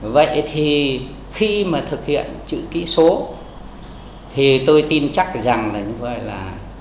vậy thì khi mà thực hiện chữ ký số thì tôi tin chắc rằng là như vậy là